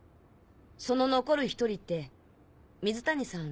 その残る１人って水谷さん